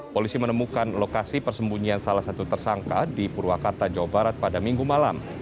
polisi menemukan lokasi persembunyian salah satu tersangka di purwakarta jawa barat pada minggu malam